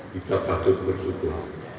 kita patut bersyukur